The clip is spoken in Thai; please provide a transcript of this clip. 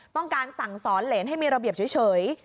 ต้องการสั่งสอนเหรนให้มีระเบียบเฉย